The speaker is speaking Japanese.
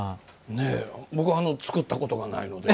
僕、作ったことがないので。